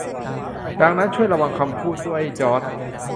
ดังนั้น ช่วยระวังคำพูดด้วยจอร์จ